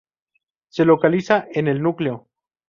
Se localiza en el núcleo.